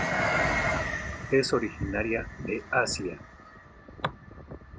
Es originaria de Asia.